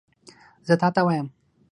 زه تا ته وایم !